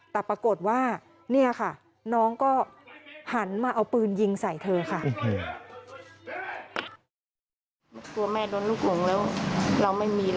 แต่ปรากฏว่าเนี่ยค่ะน้องก็หันมาเอาปืนยิงใส่เธอค่ะ